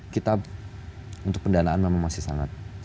kita untuk pendanaan memang masih sangat